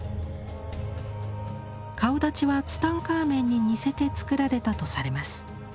顔だちはツタンカーメンに似せて作られたとされます。